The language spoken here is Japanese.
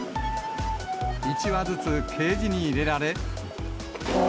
１羽ずつケージに入れられ。